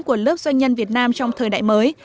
của lớp doanh nhân việt nam trong thời đại mới